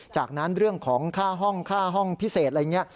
จากนั้นเรื่องของค่าห้องค่าห้องพิเศษอะไรอย่างนี้